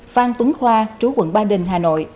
phan tuấn khoa trú huyện ba đình hà nội